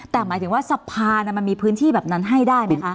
แต่หมายถึงว่าสะพานมันมีพื้นที่แบบนั้นให้ได้ไหมคะ